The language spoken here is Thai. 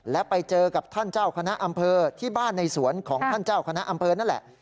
และไปเจอกับท่านเจ้าคณะอำเภอที่บ้านในสวนของท่านเจ้าคณะอำเภอนั่นแหละ